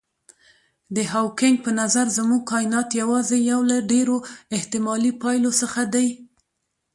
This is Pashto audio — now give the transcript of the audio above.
د هاوکېنګ په نظر زموږ کاینات یوازې یو له ډېرو احتمالي پایلو څخه دی.